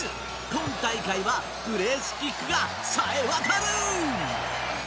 今大会はプレースキックがさえわたる。